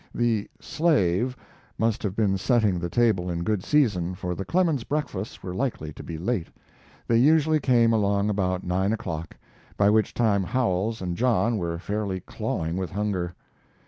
The "slave" must have been setting the table in good season, for the Clemens breakfasts were likely to be late. They usually came along about nine o'clock, by which time Howells and John were fairly clawing with hunger.